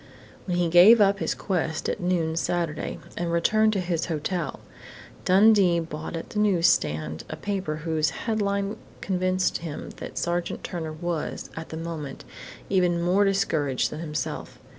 When he gave up his quest at noon Saturday and returned to his hotel, Dundee bought at the newsstand a paper whose headline convinced him that Sergeant Turner was, at that moment, even more discouraged than himself.